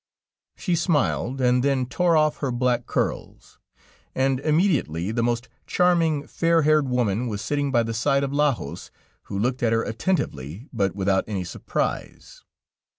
She smiled, and then tore off her black curls, and immediately the most charming, fair haired woman was sitting by the side of Lajos, who looked at her attentively, but without any surprise.